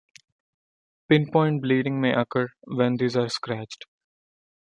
Pinpoint bleeding may occur when these are scratched.